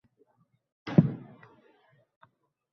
Buxoroda Konstitutsiya kuni keng nishonlandi